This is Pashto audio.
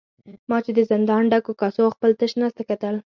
ما چې د زندان ډکو کاسو او خپل تش نس ته کتل.